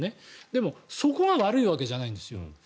でも、そこが悪いわけじゃないんですよ。